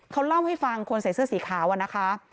เขาเล่าให้ฟังคนใส่เสื้อสีขาวอะนะคะ